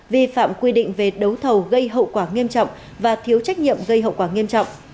vi phạm quy định về đấu thầu gây hậu quả nghiêm trọng và thiếu trách nhiệm gây hậu quả nghiêm trọng